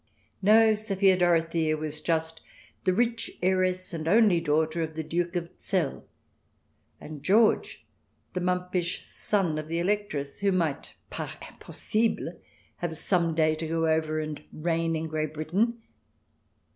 No, Sophia Dorothea was just the rich heiress and only daughter of the Duke of Zell, and George was the mumpish son of the Electress, who might par impossible have some day to go over and reign in Great Britain.